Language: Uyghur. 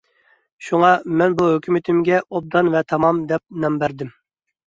شۇڭا، مەن بۇ ھۆكمىتىمگە «ئوبدان ۋە تامام» دەپ نام بەردىم.